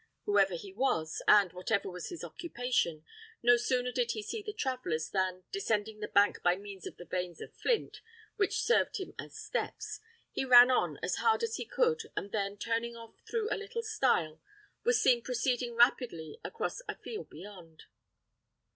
Whoever he was, and whatever was his occupation, no sooner did he see the travellers, than, descending the bank by means of the veins of flint, which served him as steps, he ran on as hard as he could, and then, turning off through a little stile, was seen proceeding rapidly across a field beyond.